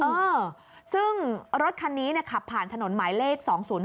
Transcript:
เออซึ่งรถคันนี้เนี่ยขับผ่านถนนหมายเลข๒๐๖